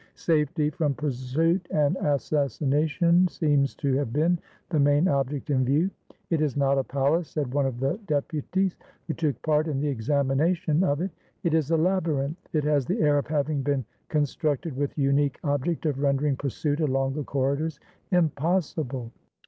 Safety from pursuit and assassination seems to have been the main object in view. "It is not a palace," said one of the deputies who took part in the examination of it, "it is a labyrinth. It has the air of having been con structed with the unique object of rendering pursuit along the corridors impossible.